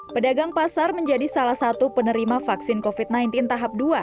pedagang pasar menjadi salah satu penerima vaksin covid sembilan belas tahap dua